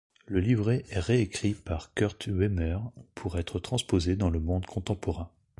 Le livret est réécrit par Kurt Huemer pour être transposé dans le monde contemporain.